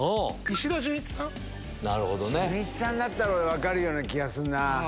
純一さんだったら俺分かるような気がするなぁ。